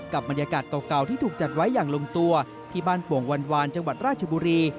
บรรยากาศเก่าที่ถูกจัดไว้อย่างลงตัวที่บ้านโป่งวันวานจังหวัดราชบุรี